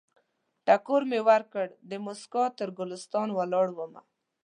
ټکور مې ورکړ، دموسکا تر ګلستان ولاړمه